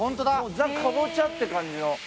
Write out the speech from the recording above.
ザ・かぼちゃって感じの。